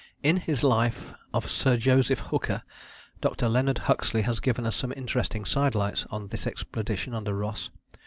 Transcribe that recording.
In his Life of Sir Joseph Hooker, Dr. Leonard Huxley has given us some interesting sidelights on this expedition under Ross.